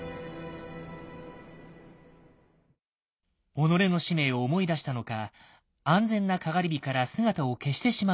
己の使命を思い出したのか安全な篝火から姿を消してしまうのだ。